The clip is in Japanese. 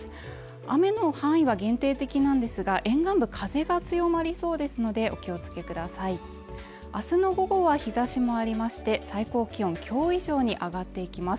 雨の範囲は限定的なんですが沿岸部風が強まりそうですのでお気をつけください明日の午後は日差しもありまして最高気温きょう以上に上がっていきます